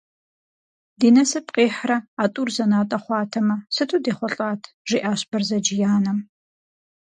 Ди насып къихьрэ а тӏур зэнатӏэ хъуатэмэ, сыту дехъулӏат, - жиӏащ Бэрзэдж и анэм.